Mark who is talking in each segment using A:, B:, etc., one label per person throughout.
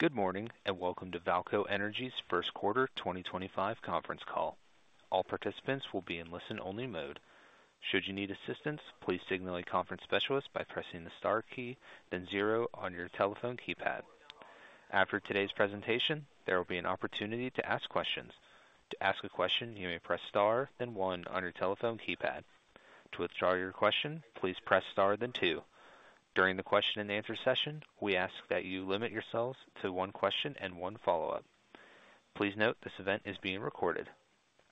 A: Good morning and welcome to VAALCO Energy's First Quarter 2025 Conference Call. All participants will be in listen-only mode. Should you need assistance, please signal a conference specialist by pressing the star key, then zero on your telephone keypad. After today's presentation, there will be an opportunity to ask questions. To ask a question, you may press star, then one on your telephone keypad. To withdraw your question, please press star, then two. During the question-and-answer session, we ask that you limit yourselves to one question and one follow-up. Please note this event is being recorded.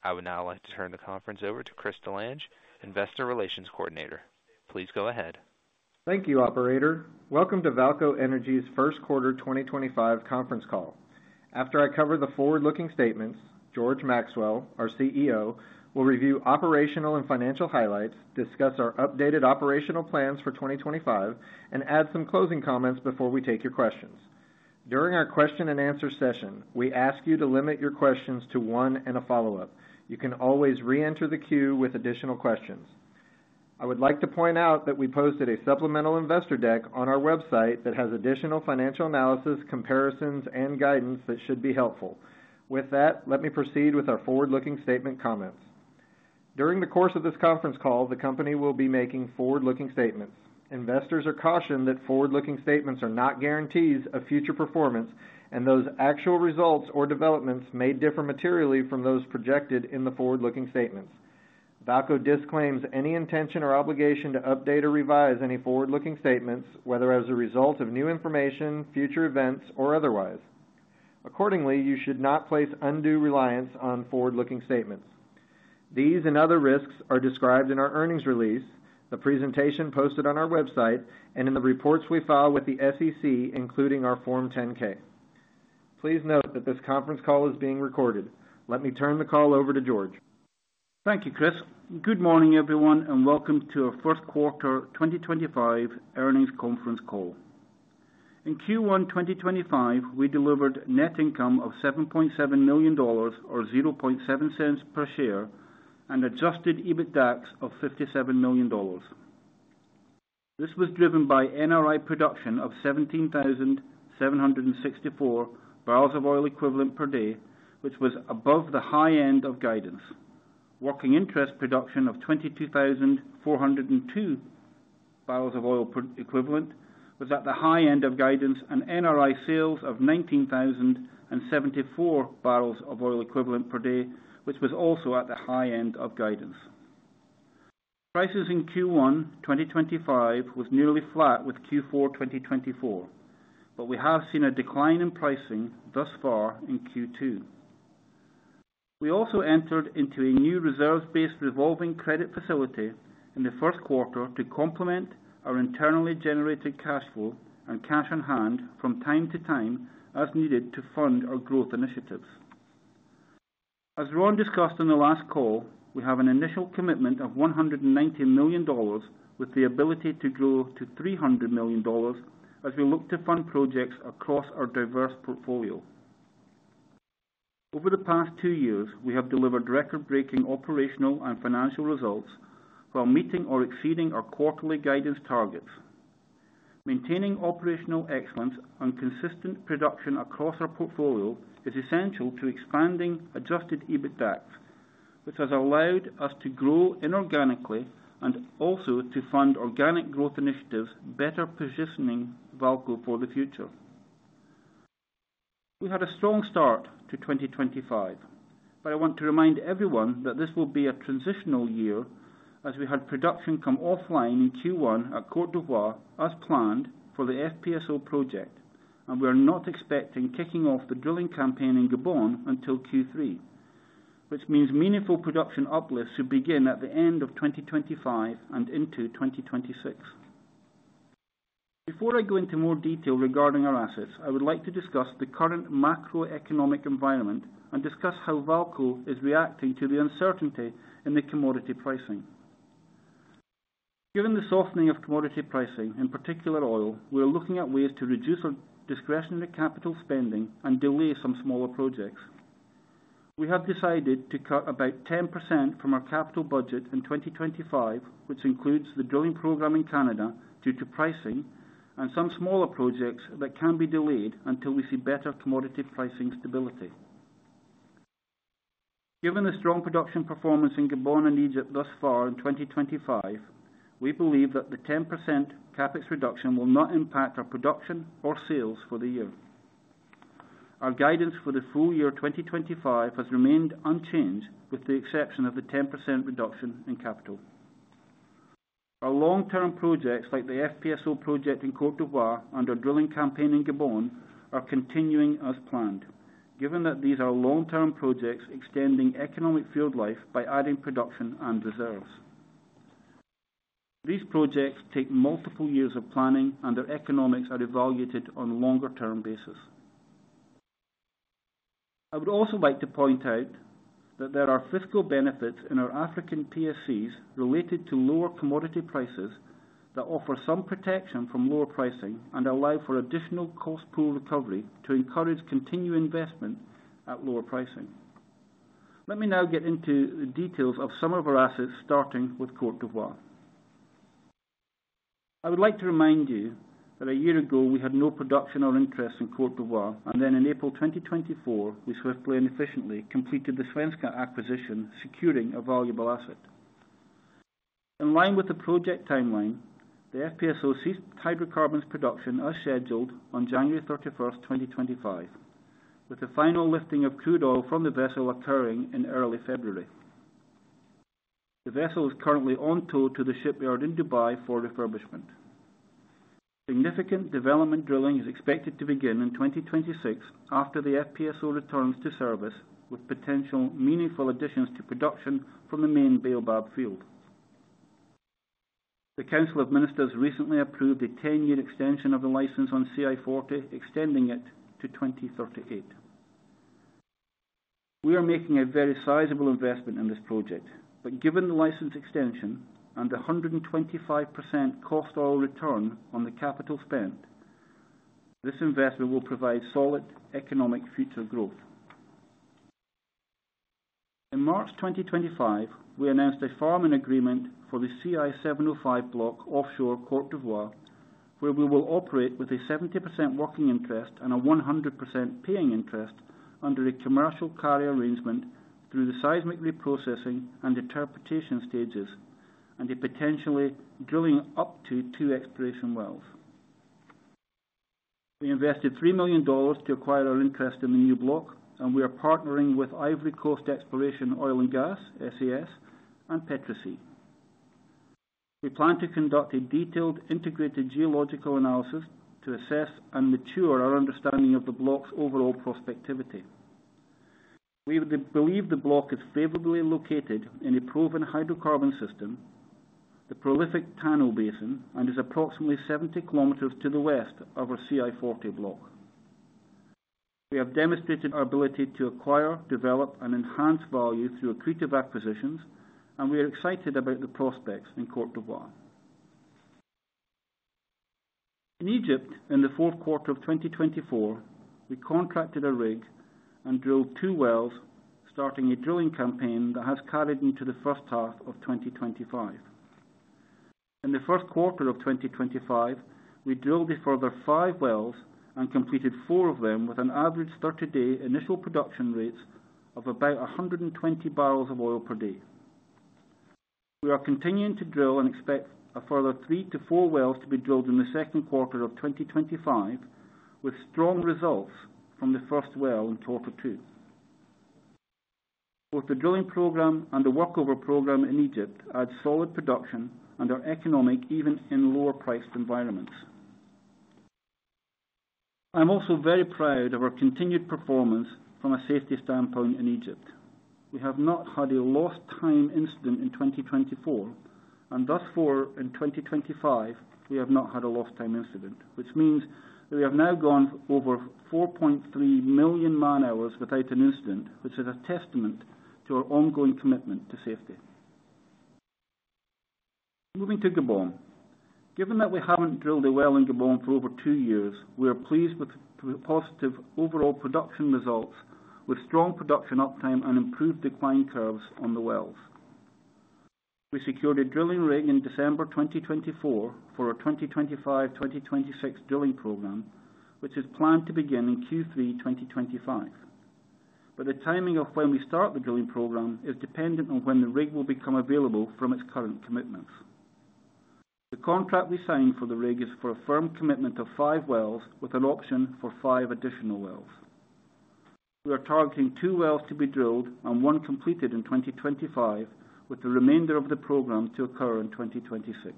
A: I would now like to turn the conference over to Chris Delange, Investor Relations Coordinator. Please go ahead.
B: Thank you, Operator. Welcome to VAALCO Energy's First Quarter 2025 Conference Call. After I cover the forward-looking statements, George Maxwell, our CEO, will review operational and financial highlights, discuss our updated operational plans for 2025, and add some closing comments before we take your questions. During our question-and-answer session, we ask you to limit your questions to one and a follow-up. You can always re-enter the queue with additional questions. I would like to point out that we posted a supplemental investor deck on our website that has additional financial analysis, comparisons, and guidance that should be helpful. With that, let me proceed with our forward-looking statement comments. During the course of this conference call, the company will be making forward-looking statements. Investors are cautioned that forward-looking statements are not guarantees of future performance, and those actual results or developments may differ materially from those projected in the forward-looking statements. VAALCO disclaims any intention or obligation to update or revise any forward-looking statements, whether as a result of new information, future events, or otherwise. Accordingly, you should not place undue reliance on forward-looking statements. These and other risks are described in our earnings release, the presentation posted on our website, and in the reports we file with the SEC, including our Form 10-K. Please note that this conference call is being recorded. Let me turn the call over to George.
C: Thank you, Chris. Good morning, everyone, and welcome to our First Quarter 2025 Earnings Conference Call. In Q1 2025, we delivered net income of $7.7 million or $0.007 per share and adjusted EBITDA of $57 million. This was driven by NRI production of 17,764 barrels of oil equivalent per day, which was above the high end of guidance. Working interest production of 22,402 barrels of oil equivalent was at the high end of guidance, and NRI sales of 19,074 barrels of oil equivalent per day, which was also at the high end of guidance. Prices in Q1 2025 were nearly flat with Q4 2024, but we have seen a decline in pricing thus far in Q2. We also entered into a new reserves-based revolving credit facility in the first quarter to complement our internally generated cash flow and cash on hand from time to time as needed to fund our growth initiatives. As Ron discussed in the last call, we have an initial commitment of $190 million with the ability to grow to $300 million as we look to fund projects across our diverse portfolio. Over the past two years, we have delivered record-breaking operational and financial results while meeting or exceeding our quarterly guidance targets. Maintaining operational excellence and consistent production across our portfolio is essential to expanding adjusted EBITDA, which has allowed us to grow inorganically and also to fund organic growth initiatives better positioning VAALCO for the future. We had a strong start to 2025, but I want to remind everyone that this will be a transitional year as we had production come offline in Q1 at Côte d'Ivoire as planned for the FPSO project, and we are not expecting kicking off the drilling campaign in Gabon until Q3, which means meaningful production uplifts should begin at the end of 2025 and into 2026. Before I go into more detail regarding our assets, I would like to discuss the current macroeconomic environment and discuss how VAALCO is reacting to the uncertainty in the commodity pricing. Given the softening of commodity pricing, in particular oil, we are looking at ways to reduce our discretionary capital spending and delay some smaller projects. We have decided to cut about 10% from our capital budget in 2025, which includes the drilling program in Canada due to pricing and some smaller projects that can be delayed until we see better commodity pricing stability. Given the strong production performance in Gabon and Egypt thus far in 2025, we believe that the 10% CapEx reduction will not impact our production or sales for the year. Our guidance for the full year 2025 has remained unchanged, with the exception of the 10% reduction in capital. Our long-term projects like the FPSO project in Côte d'Ivoire and our drilling campaign in Gabon are continuing as planned, given that these are long-term projects extending economic field life by adding production and reserves. These projects take multiple years of planning, and their economics are evaluated on a longer-term basis. I would also like to point out that there are fiscal benefits in our African PSCs related to lower commodity prices that offer some protection from lower pricing and allow for additional cost pool recovery to encourage continued investment at lower pricing. Let me now get into the details of some of our assets, starting with Côte d'Ivoire. I would like to remind you that a year ago we had no production or interest in Côte d'Ivoire, and then in April 2024, we swiftly and efficiently completed the Svenska acquisition, securing a valuable asset. In line with the project timeline, the FPSO ceased hydrocarbons production as scheduled on January 31, 2025, with the final lifting of crude oil from the vessel occurring in early February. The vessel is currently on tow to the shipyard in Dubai for refurbishment. Significant development drilling is expected to begin in 2026 after the FPSO returns to service, with potential meaningful additions to production from the main Baobab field. The Council of Ministers recently approved a 10-year extension of the license on CI-40, extending it to 2038. We are making a very sizable investment in this project, but given the license extension and the 125% cost-to-oil return on the capital spent, this investment will provide solid economic future growth. In March 2025, we announced a farm-in agreement for the CI-705 block offshore Côte d'Ivoire, where we will operate with a 70% working interest and a 100% paying interest under a commercial carrier arrangement through the seismic reprocessing and interpretation stages, and potentially drilling up to two exploration wells. We invested $3 million to acquire our interest in the new block, and we are partnering with Ivory Coast Exploration Oil and Gas (SES) and Petrosea. We plan to conduct a detailed integrated geological analysis to assess and mature our understanding of the block's overall prospectivity. We believe the block is favorably located in a proven hydrocarbon system, the prolific Tano Basin, and is approximately 70 km to the west of our CI-40 block. We have demonstrated our ability to acquire, develop, and enhance value through accretive acquisitions, and we are excited about the prospects in Côte d'Ivoire. In Egypt, in the fourth quarter of 2024, we contracted a rig and drilled two wells, starting a drilling campaign that has carried into the first half of 2025. In the first quarter of 2025, we drilled a further five wells and completed four of them, with an average 30-day initial production rates of about 120 barrels of oil per day. We are continuing to drill and expect a further three to four wells to be drilled in the second quarter of 2025, with strong results from the first well in quarter two. Both the drilling program and the workover program in Egypt add solid production and are economic even in lower-priced environments. I'm also very proud of our continued performance from a safety standpoint in Egypt. We have not had a lost-time incident in 2024, and thus far in 2025, we have not had a lost-time incident, which means that we have now gone over 4.3 million man-hours without an incident, which is a testament to our ongoing commitment to safety. Moving to Gabon. Given that we haven't drilled a well in Gabon for over two years, we are pleased with the positive overall production results, with strong production uptime and improved decline curves on the wells. We secured a drilling rig in December 2024 for our 2025-2026 drilling program, which is planned to begin in Q3 2025. The timing of when we start the drilling program is dependent on when the rig will become available from its current commitments. The contract we signed for the rig is for a firm commitment of five wells with an option for five additional wells. We are targeting two wells to be drilled and one completed in 2025, with the remainder of the program to occur in 2026.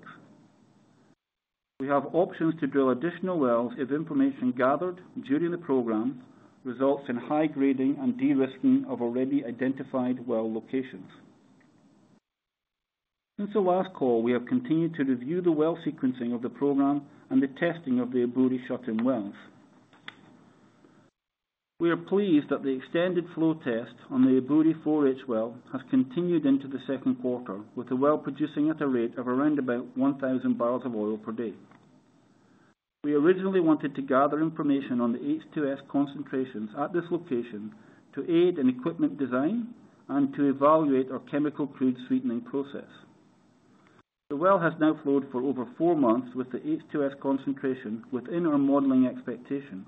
C: We have options to drill additional wells if information gathered during the program results in high grading and de-risking of already identified well locations. Since the last call, we have continued to review the well sequencing of the program and the testing of the Ebouri shut-in wells. We are pleased that the extended flow test on the Ebouri 4H well has continued into the second quarter, with the well producing at a rate of around about 1,000 barrels of oil per day. We originally wanted to gather information on the H2S concentrations at this location to aid in equipment design and to evaluate our chemical crude sweetening process. The well has now flowed for over four months with the H2S concentration within our modeling expectations,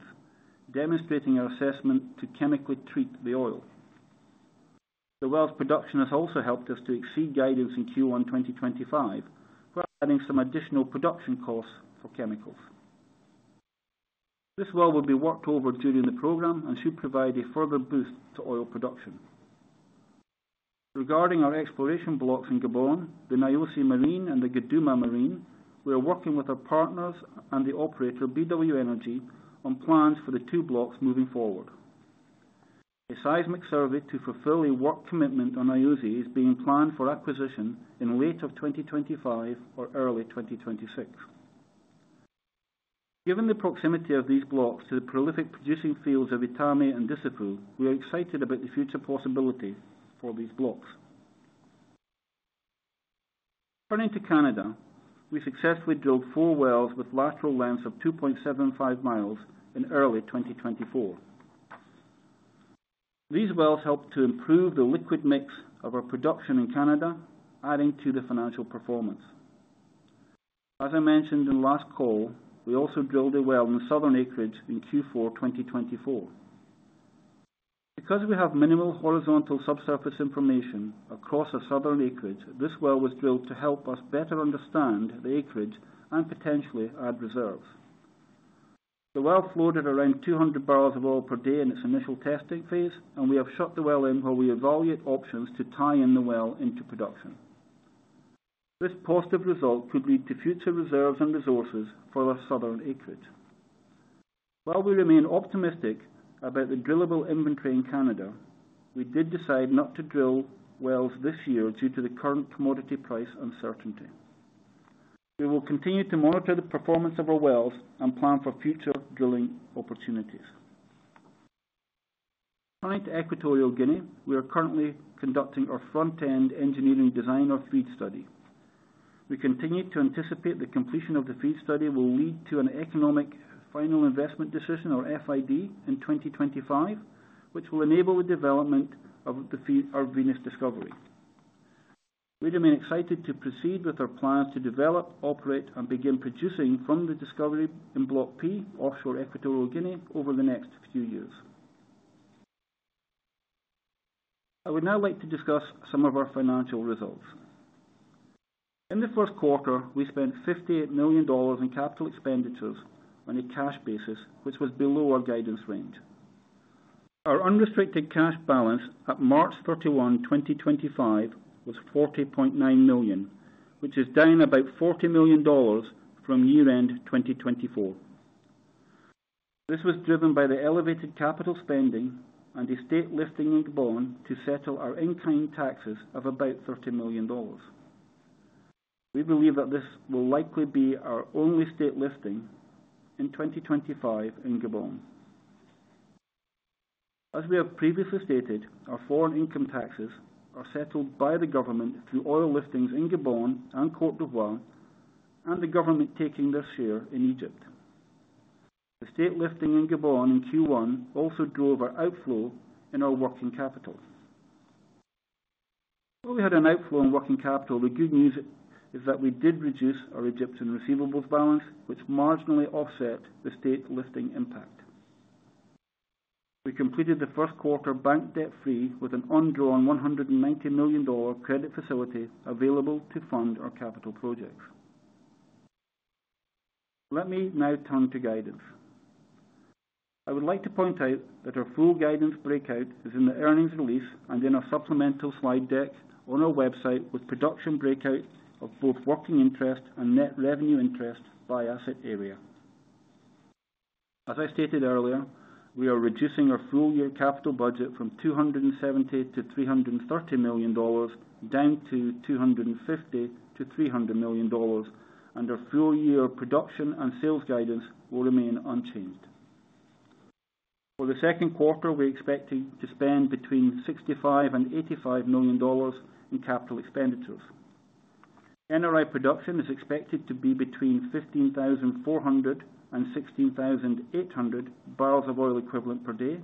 C: demonstrating our assessment to chemically treat the oil. The well's production has also helped us to exceed guidance in Q1 2025, providing some additional production costs for chemicals. This well will be worked over during the program and should provide a further boost to oil production. Regarding our exploration blocks in Gabon, the Nyosi Marine and the Geduma Marine, we are working with our partners and the operator BW Energy on plans for the two blocks moving forward. A seismic survey to fulfill a work commitment on Nyosi is being planned for acquisition in late 2025 or early 2026. Given the proximity of these blocks to the prolific producing fields of Etame and Dissifu, we are excited about the future possibility for these blocks. Turning to Canada, we successfully drilled four wells with lateral lengths of 2.75 mi in early 2024. These wells helped to improve the liquid mix of our production in Canada, adding to the financial performance. As I mentioned in the last call, we also drilled a well in the southern acreage in Q4 2024. Because we have minimal horizontal subsurface information across our southern acreage, this well was drilled to help us better understand the acreage and potentially add reserves. The well flowed around 200 barrels of oil per day in its initial testing phase, and we have shut the well in while we evaluate options to tie in the well into production. This positive result could lead to future reserves and resources for our southern acreage. While we remain optimistic about the drillable inventory in Canada, we did decide not to drill wells this year due to the current commodity price uncertainty. We will continue to monitor the performance of our wells and plan for future drilling opportunities. Turning to Equatorial Guinea, we are currently conducting our front-end engineering design or feed study. We continue to anticipate the completion of the feed study will lead to an economic final investment decision, or FID, in 2025, which will enable the development of our Venus Discovery. We remain excited to proceed with our plans to develop, operate, and begin producing from the Discovery in Block P, offshore Equatorial Guinea, over the next few years. I would now like to discuss some of our financial results. In the first quarter, we spent $58 million in capital expenditures on a cash basis, which was below our guidance range. Our unrestricted cash balance at March 31, 2025, was $40.9 million, which is down about $40 million from year-end 2024. This was driven by the elevated capital spending and a state lifting in Gabon to settle our in-kind taxes of about $30 million. We believe that this will likely be our only state lifting in 2025 in Gabon. As we have previously stated, our foreign income taxes are settled by the government through oil liftings in Gabon and Côte d'Ivoire, and the government taking their share in Egypt. The state lifting in Gabon in Q1 also drove our outflow in our working capital. While we had an outflow in working capital, the good news is that we did reduce our Egyptian receivables balance, which marginally offset the state lifting impact. We completed the first quarter bank debt-free with an undrawn $190 million credit facility available to fund our capital projects. Let me now turn to guidance. I would like to point out that our full guidance breakout is in the earnings release and in our supplemental slide deck on our website with production breakout of both working interest and net revenue interest by asset area. As I stated earlier, we are reducing our full year capital budget from $270-$330 million, down to $250-$300 million, and our full year production and sales guidance will remain unchanged. For the second quarter, we are expecting to spend between $65 and $85 million in capital expenditures. NRI production is expected to be between 15,400 and 16,800 barrels of oil equivalent per day,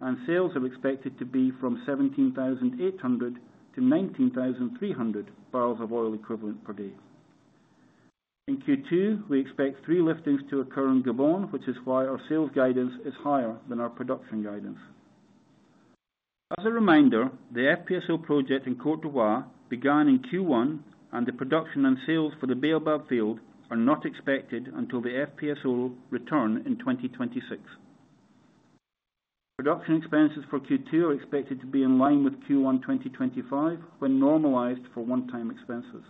C: and sales are expected to be from 17,800 to 19,300 barrels of oil equivalent per day. In Q2, we expect three liftings to occur in Gabon, which is why our sales guidance is higher than our production guidance. As a reminder, the FPSO project in Côte d'Ivoire began in Q1, and the production and sales for the Baobab field are not expected until the FPSO return in 2026. Production expenses for Q2 are expected to be in line with Q1 2025 when normalized for one-time expenses.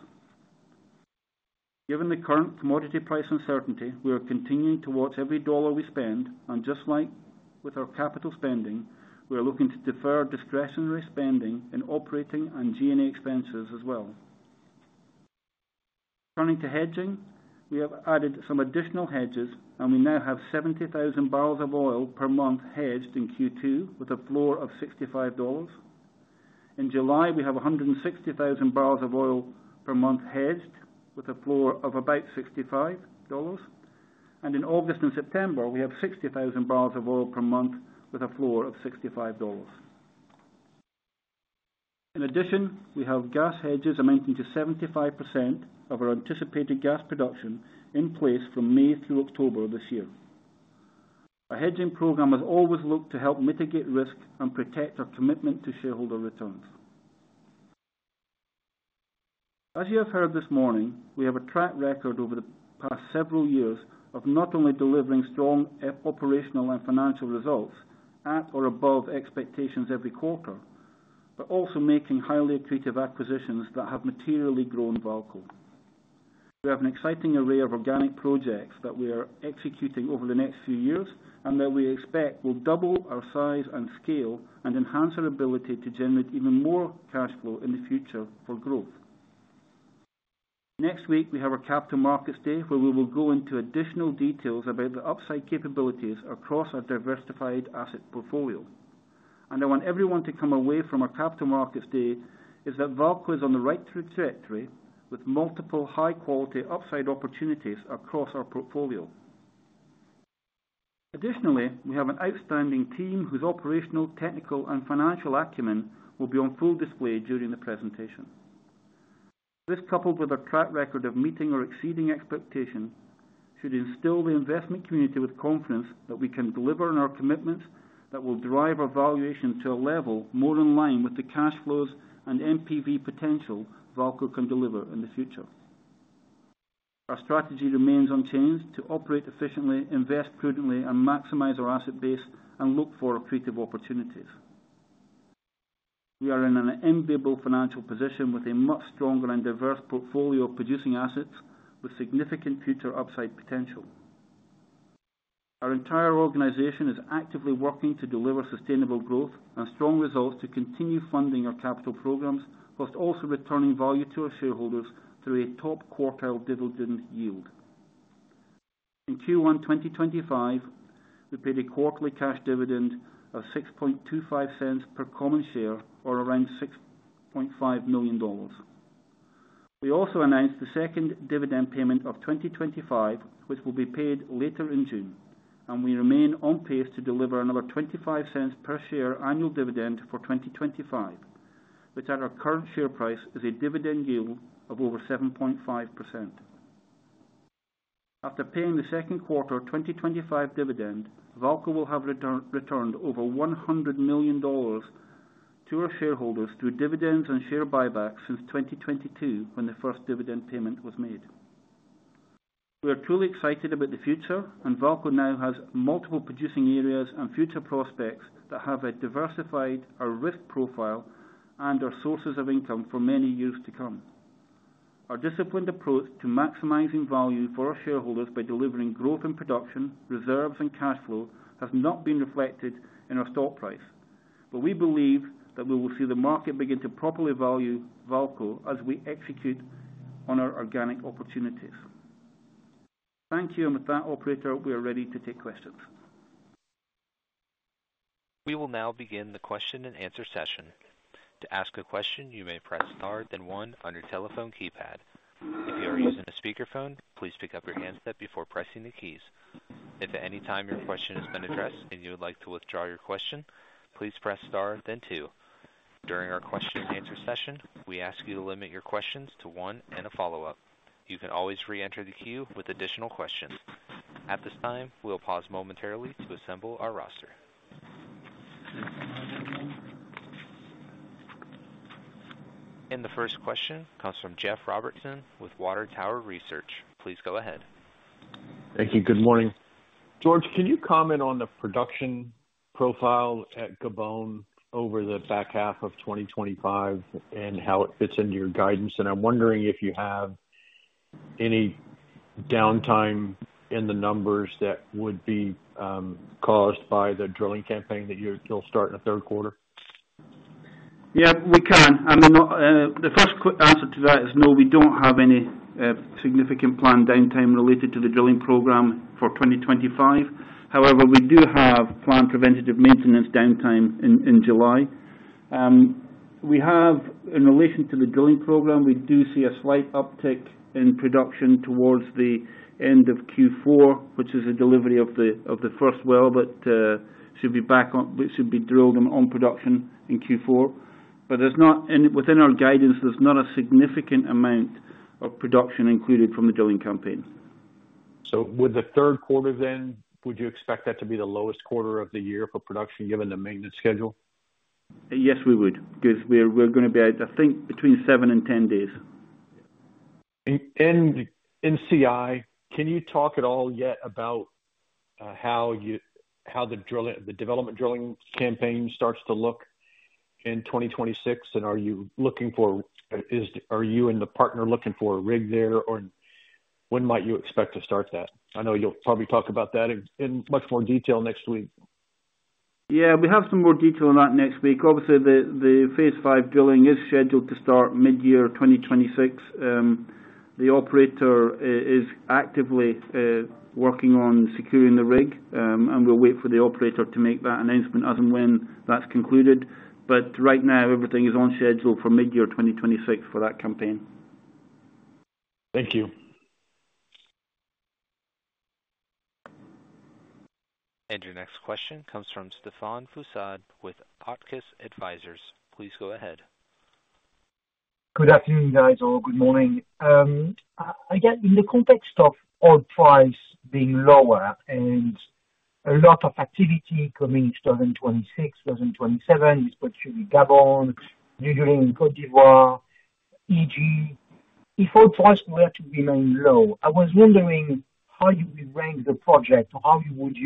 C: Given the current commodity price uncertainty, we are continuing to watch every dollar we spend, and just like with our capital spending, we are looking to defer discretionary spending in operating and G&A expenses as well. Turning to hedging, we have added some additional hedges, and we now have 70,000 barrels of oil per month hedged in Q2 with a floor of $65. In July, we have 160,000 barrels of oil per month hedged with a floor of about $65, and in August and September, we have 60,000 barrels of oil per month with a floor of $65. In addition, we have gas hedges amounting to 75% of our anticipated gas production in place from May through October of this year. Our hedging program has always looked to help mitigate risk and protect our commitment to shareholder returns. As you have heard this morning, we have a track record over the past several years of not only delivering strong operational and financial results at or above expectations every quarter, but also making highly accretive acquisitions that have materially grown VAALCO. We have an exciting array of organic projects that we are executing over the next few years and that we expect will double our size and scale and enhance our ability to generate even more cash flow in the future for growth. Next week, we have our Capital Markets Day where we will go into additional details about the upside capabilities across our diversified asset portfolio. I want everyone to come away from our Capital Markets Day that VAALCO is on the right trajectory with multiple high-quality upside opportunities across our portfolio. Additionally, we have an outstanding team whose operational, technical, and financial acumen will be on full display during the presentation. This, coupled with our track record of meeting or exceeding expectations, should instill the investment community with confidence that we can deliver on our commitments that will drive our valuation to a level more in line with the cash flows and NPV potential VAALCO can deliver in the future. Our strategy remains unchanged to operate efficiently, invest prudently, and maximize our asset base and look for accretive opportunities. We are in an enviable financial position with a much stronger and diverse portfolio of producing assets with significant future upside potential. Our entire organization is actively working to deliver sustainable growth and strong results to continue funding our capital programs, whilst also returning value to our shareholders through a top quartile dividend yield. In Q1 2025, we paid a quarterly cash dividend of $0.0625 per common share, or around $6.5 million. We also announced the second dividend payment of 2025, which will be paid later in June, and we remain on pace to deliver another $0.25 per share annual dividend for 2025, which at our current share price is a dividend yield of over 7.5%. After paying the second quarter 2025 dividend, VAALCO will have returned over $100 million to our shareholders through dividends and share buybacks since 2022, when the first dividend payment was made. We are truly excited about the future, and VAALCO now has multiple producing areas and future prospects that have a diversified risk profile and are sources of income for many years to come. Our disciplined approach to maximizing value for our shareholders by delivering growth in production, reserves, and cash flow has not been reflected in our stock price, but we believe that we will see the market begin to properly value VAALCO as we execute on our organic opportunities. Thank you, and with that, Operator, we are ready to take questions.
A: We will now begin the question and answer session. To ask a question, you may press star, then one on your telephone keypad. If you are using a speakerphone, please pick up your handset before pressing the keys. If at any time your question has been addressed and you would like to withdraw your question, please press star, then two. During our question and answer session, we ask you to limit your questions to one and a follow-up. You can always re-enter the queue with additional questions. At this time, we will pause momentarily to assemble our roster. The first question comes from Jeff Robertson with Water Tower Research. Please go ahead.
D: Thank you. Good morning. George, can you comment on the production profile at Gabon over the back half of 2025 and how it fits into your guidance? I am wondering if you have any downtime in the numbers that would be caused by the drilling campaign that you will start in the third quarter.
C: Yeah, we can. I mean, the first answer to that is no, we do not have any significant planned downtime related to the drilling program for 2025. However, we do have planned preventative maintenance downtime in July. In relation to the drilling program, we do see a slight uptick in production towards the end of Q4, which is the delivery of the first well, but it should be back on, it should be drilled and on production in Q4. Within our guidance, there is not a significant amount of production included from the drilling campaign.
D: Would the third quarter then, would you expect that to be the lowest quarter of the year for production given the maintenance schedule? Yes, we would, because we are going to be out, I think, between seven and ten days. In CI, can you talk at all yet about how the development drilling campaign starts to look in 2026? Are you looking for, are you and the partner looking for a rig there, or when might you expect to start that? I know you'll probably talk about that in much more detail next week.
C: Yeah, we have some more detail on that next week. Obviously, the phase 5 drilling is scheduled to start mid-year 2026. The operator is actively working on securing the rig, and we'll wait for the operator to make that announcement as and when that's concluded. Right now, everything is on schedule for mid-year 2026 for that campaign.
D: Thank you.
A: Your next question comes from Stephane Foucaud with Auctus Advisors. Please go ahead.
E: Good afternoon, guys. Or good morning. Again, in the context of oil price being lower and a lot of activity coming in 2026, 2027, especially Gabon, Equatorial Guinea, and Côte d'Ivoire, EG, if oil price were to remain low, I was wondering how you would rank the project or how you would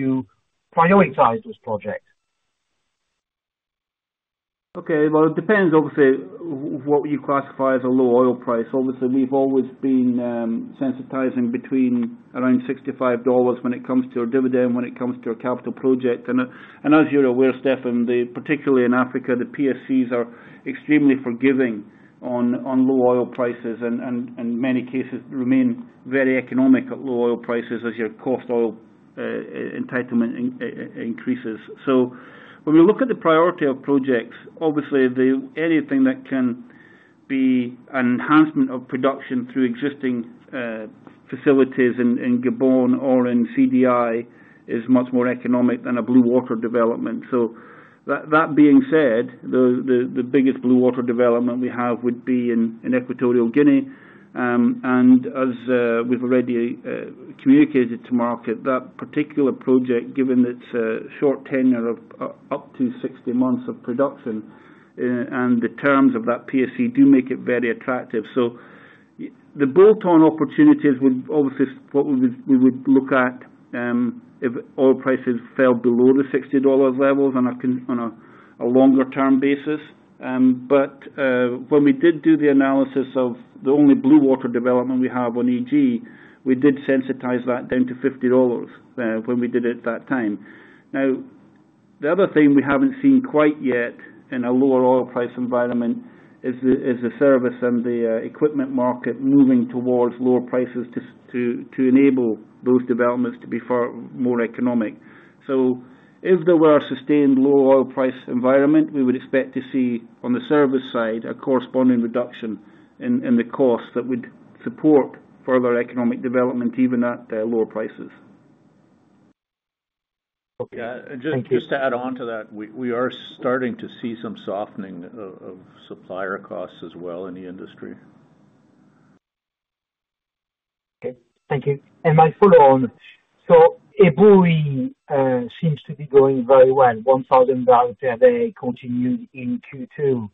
E: prioritize those projects.
C: Okay, it depends, obviously, what you classify as a low oil price. Obviously, we've always been sensitizing between around $65 when it comes to a dividend, when it comes to a capital project. As you're aware, Stephane, particularly in Africa, the PSCs are extremely forgiving on low oil prices and in many cases remain very economic at low oil prices as your cost oil entitlement increases. When we look at the priority of projects, obviously, anything that can be an enhancement of production through existing facilities in Gabon or in CDI is much more economic than a blue water development. That being said, the biggest blue water development we have would be in Equatorial Guinea. As we've already communicated to market, that particular project, given its short tenure of up to 60 months of production and the terms of that PSC, do make it very attractive. The bolt-on opportunities would obviously be what we would look at if oil prices fell below the $60 levels on a longer-term basis. When we did do the analysis of the only blue water development we have on EG, we did sensitize that down to $50 when we did it at that time. Now, the other thing we have not seen quite yet in a lower oil price environment is the service and the equipment market moving towards lower prices to enable those developments to be far more economic. If there were a sustained low oil price environment, we would expect to see on the service side a corresponding reduction in the costs that would support further economic development even at lower prices.
D: Okay. Just to add on to that, we are starting to see some softening of supplier costs as well in the industry.
E: Okay. Thank you. My follow-on, so Ebouri seems to be going very well, 1,000 barrels per day continued in Q2.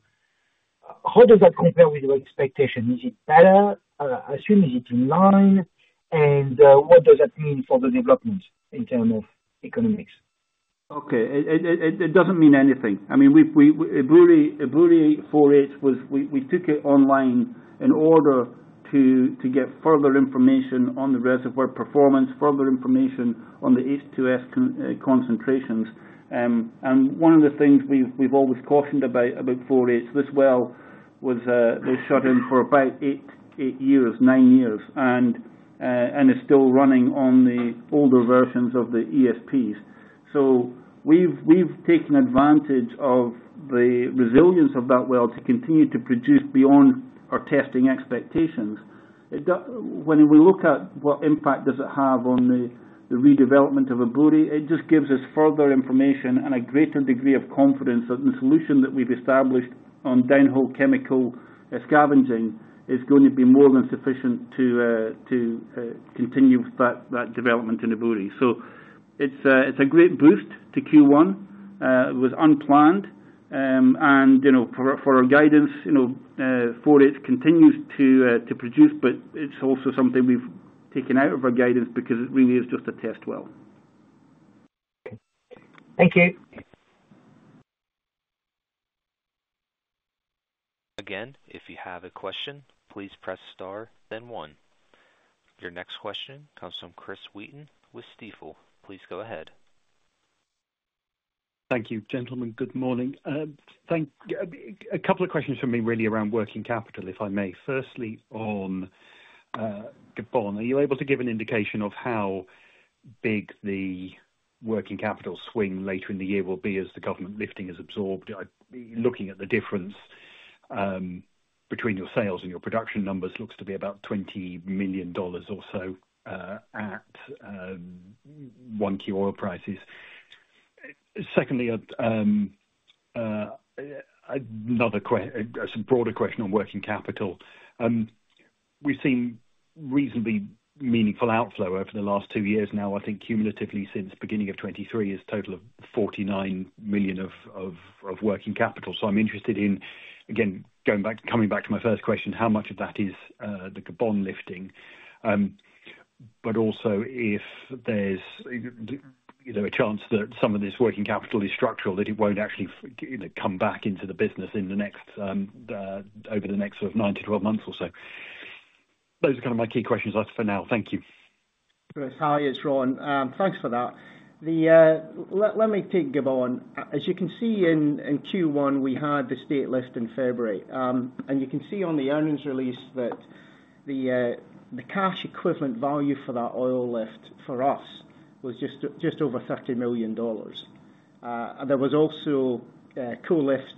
E: How does that compare with your expectation? Is it better? As soon as it is in line? What does that mean for the development in terms of economics?
C: Okay. It does not mean anything. I mean, Ebouri 4H, we took it online in order to get further information on the reservoir performance, further information on the H2S concentrations. One of the things we've always cautioned about 4H, this well was shut in for about eight years, nine years, and is still running on the older versions of the ESPs. We have taken advantage of the resilience of that well to continue to produce beyond our testing expectations. When we look at what impact does it have on the redevelopment of Ebouri, it just gives us further information and a greater degree of confidence that the solution that we've established on down-hole chemical scavenging is going to be more than sufficient to continue that development in Ebouri. It is a great boost to Q1. It was unplanned. For our guidance, 4H continues to produce, but it's also something we've taken out of our guidance because it really is just a test well.
E: Thank you.
A: Again, if you have a question, please press star, then one. Your next question comes from Chris Wheaton with Stifel. Please go ahead.
F: Thank you, gentlemen. Good morning. A couple of questions for me, really, around working capital, if I may. Firstly, on Gabon, are you able to give an indication of how big the working capital swing later in the year will be as the government lifting is absorbed? Looking at the difference between your sales and your production numbers, looks to be about $20 million or so at one-key oil prices. Secondly, another broader question on working capital. We've seen reasonably meaningful outflow over the last two years now, I think cumulatively since the beginning of 2023, a total of $49 million of working capital. So I'm interested in, again, coming back to my first question, how much of that is the Gabon lifting, but also if there's a chance that some of this working capital is structural, that it won't actually come back into the business over the next sort of 9-12 months or so. Those are kind of my key questions for now. Thank you.
G: Hi, it's Ron. Thanks for that. Let me take Gabon. As you can see, in Q1, we had the state lift in February. And you can see on the earnings release that the cash equivalent value for that oil lift for us was just over $30 million. There was also co-lifts,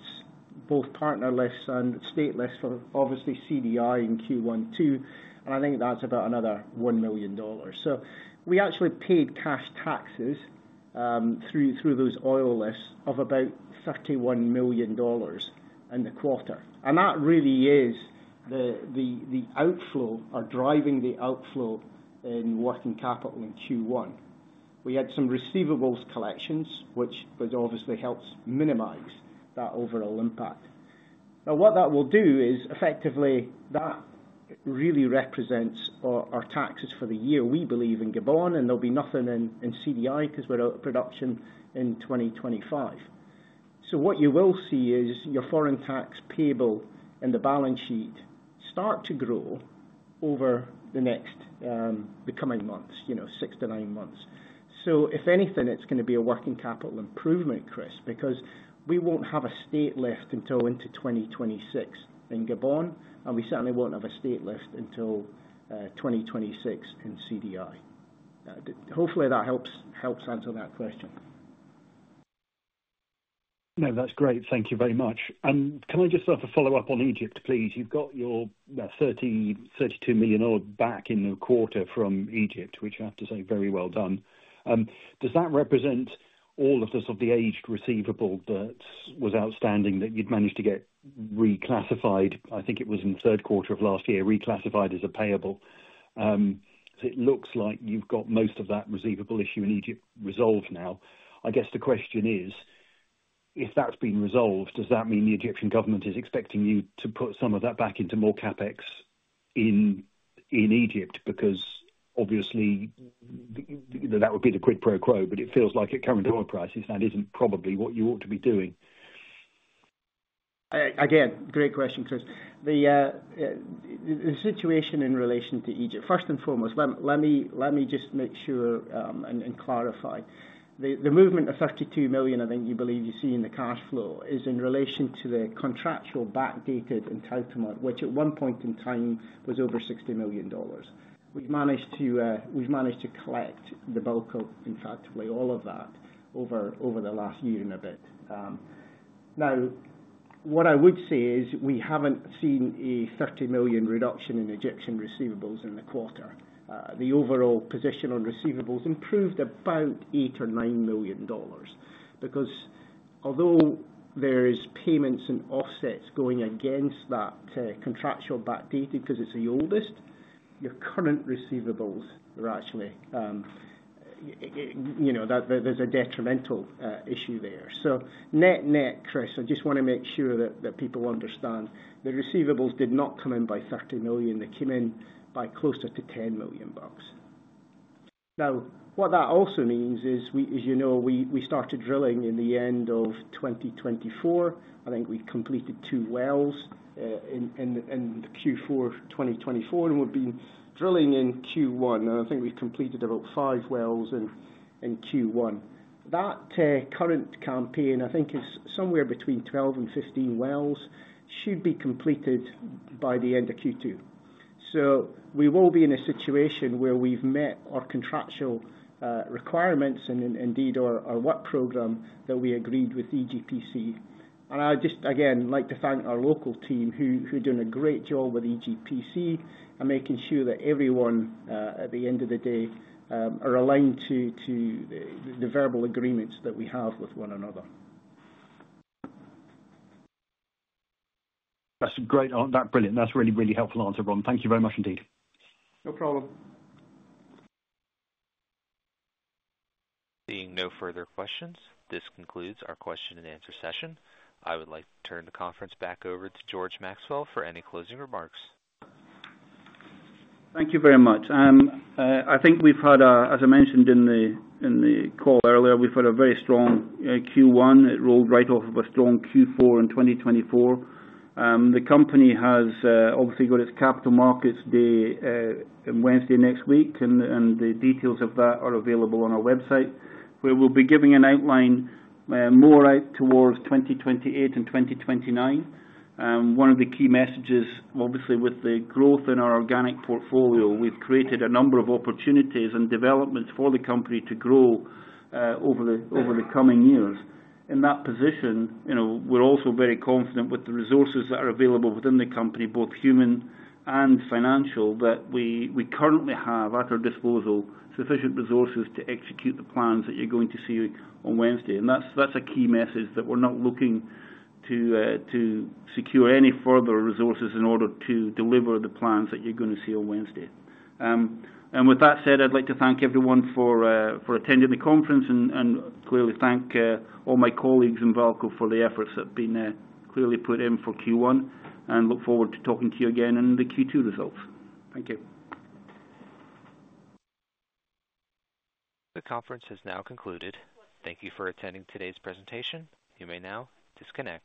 G: both partner lifts and state lifts for obviously CDI in Q1 too. I think that's about another $1 million. We actually paid cash taxes through those oil lists of about $31 million in the quarter. That really is the outflow or driving the outflow in working capital in Q1. We had some receivables collections, which obviously helps minimize that overall impact. Now, what that will do is effectively that really represents our taxes for the year, we believe, in Gabon, and there'll be nothing in CDI because we're out of production in 2025. What you will see is your foreign tax payable in the balance sheet start to grow over the next coming months, six to nine months. If anything, it's going to be a working capital improvement, Chris, because we won't have a state lift until into 2026 in Gabon, and we certainly won't have a state lift until 2026 in CDI. Hopefully, that helps answer that question.
F: No, that's great. Thank you very much. Can I just have a follow-up on Egypt, please? You've got your $32 million back in the quarter from Egypt, which I have to say, very well done. Does that represent all of the sort of the aged receivable that was outstanding that you'd managed to get reclassified? I think it was in the third quarter of last year, reclassified as a payable. It looks like you've got most of that receivable issue in Egypt resolved now. I guess the question is, if that's been resolved, does that mean the Egyptian government is expecting you to put some of that back into more CapEx in Egypt? Because obviously, that would be the quid pro quo, but it feels like at current oil prices, that isn't probably what you ought to be doing.
G: Again, great question, Chris. The situation in relation to Egypt, first and foremost, let me just make sure and clarify. The movement of $32 million, I think you believe you see in the cash flow, is in relation to the contractual backdated entitlement, which at one point in time was over $60 million. We've managed to collect the bulk of, in fact, all of that over the last year and a bit. Now, what I would say is we haven't seen a $30 million reduction in Egyptian receivables in the quarter. The overall position on receivables improved about $8 or $9 million because although there are payments and offsets going against that contractual backdated because it's the oldest, your current receivables are actually there's a detrimental issue there. Net, net, Chris, I just want to make sure that people understand the receivables did not come in by $30 million. They came in by closer to $10 million. Now, what that also means is, as you know, we started drilling in the end of 2024. I think we completed two wells in Q4 2024 and would be drilling in Q1. I think we completed about five wells in Q1. That current campaign, I think, is somewhere between 12-15 wells, should be completed by the end of Q2. We will be in a situation where we've met our contractual requirements and indeed our work program that we agreed with EGPC. I'd just, again, like to thank our local team who are doing a great job with EGPC and making sure that everyone, at the end of the day, are aligned to the verbal agreements that we have with one another.
F: That's great. That's brilliant. That's a really, really helpful answer, Ron. Thank you very much indeed.
G: No problem.
A: Seeing no further questions, this concludes our question and answer session. I would like to turn the conference back over to George Maxwell for any closing remarks.
C: Thank you very much. I think we've had, as I mentioned in the call earlier, a very strong Q1. It rolled right off of a strong Q4 in 2024. The company has obviously got its capital markets on Wednesday next week, and the details of that are available on our website. We will be giving an outline more out towards 2028 and 2029. One of the key messages, obviously, with the growth in our organic portfolio, we've created a number of opportunities and developments for the company to grow over the coming years. In that position, we're also very confident with the resources that are available within the company, both human and financial, that we currently have at our disposal sufficient resources to execute the plans that you're going to see on Wednesday. That's a key message that we're not looking to secure any further resources in order to deliver the plans that you're going to see on Wednesday. With that said, I'd like to thank everyone for attending the conference and clearly thank all my colleagues in VAALCO for the efforts that have been clearly put in for Q1 and look forward to talking to you again in the Q2 results. Thank you.
A: The conference has now concluded. Thank you for attending today's presentation. You may now disconnect.